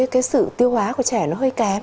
cái sự tiêu hóa của trẻ nó hơi kém